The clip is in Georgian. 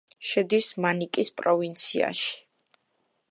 შედის მანიკის პროვინციაში.